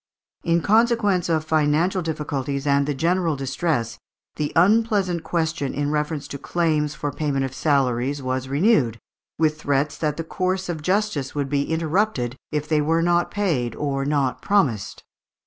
In consequence of financial difficulties and the general distress, the unpleasant question in reference to claims for payment of salaries was renewed, with threats that the course of justice would be interrupted if they were not paid or not promised.